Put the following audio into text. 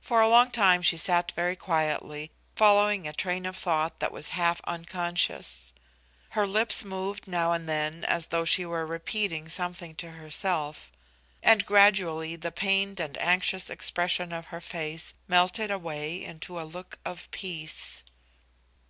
For a long time she sat very quietly, following a train of thought that was half unconscious. Her lips moved now and then, as though she were repeating something to herself, and gradually the pained and anxious expression of her face melted away into a look of peace.